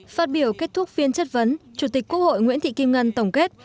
phát biểu kết thúc phiên chất vấn chủ tịch quốc hội nguyễn thị kim ngân tổng kết